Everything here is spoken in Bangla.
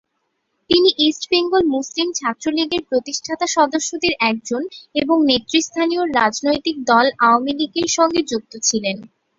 তিনি ইস্ট বেঙ্গল মুসলিম ছাত্রলীগের প্রতিষ্ঠাতা সদস্যদের একজন এবং নেতৃস্থানীয় রাজনৈতিক দল আওয়ামী লীগের সঙ্গে যুক্ত ছিলেন।